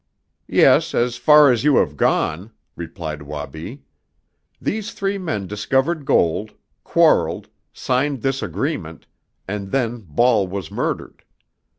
"Yes, as far as you have gone," replied Wabi. "These three men discovered gold, quarreled, signed this agreement, and then Ball was murdered.